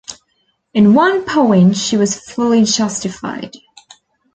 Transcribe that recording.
In one point she was fully justified.